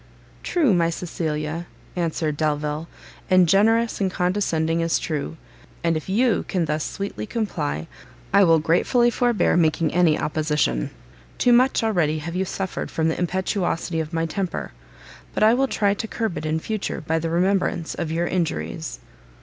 "True, my Cecilia," answered Delvile, "and generous and condescending as true; and if you can thus sweetly comply, I will gratefully forbear making any opposition. Too much already have you suffered from the impetuosity of my temper, but I will try to curb it in future by the remembrance of your injuries."